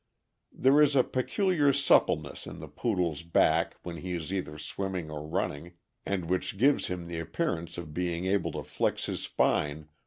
There is a peculiar suppleness in the Poodle's back when he is either swimming or running, and which gives him the appearance of being able to flex his spine more CORDED POODLE PIERROT.